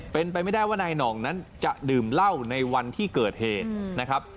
เป็นไปไม่ได้ว่านายหน่องนั้นจะดื่มเหล้าในวันที่เกิดเหตุนะครับ